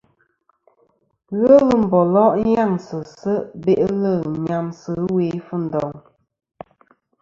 Ghelɨ mbòlo' nyaŋsɨ se' be'lɨ nyamsɨ ɨwe Fundong.